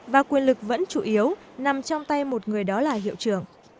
và quyền lực vẫn chủ yếu nằm trong tay một người đó là hiệu trưởng